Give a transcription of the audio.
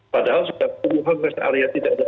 padahal sudah sepuluh an area tidak ada